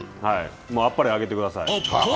あっぱれあげてください。